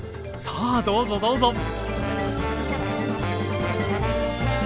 さあどうぞどうぞ。